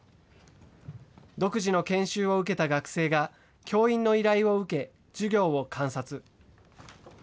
独自の研修を受けた学生が、教員の依頼を受け、授業を観察。